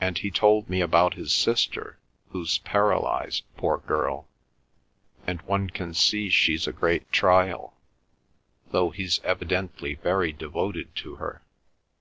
And he told me about his sister who's paralysed, poor girl, and one can see she's a great trial, though he's evidently very devoted to her.